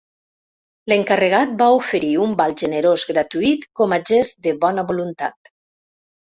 L"encarregat va oferir un val generós gratuït com a gest de bona voluntat.